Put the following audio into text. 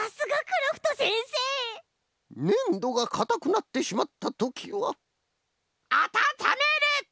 ねんどがかたくなってしまったときはあたためる！